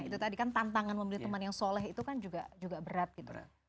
itu tadi kan tantangan membeli teman yang soleh itu kan juga berat gitu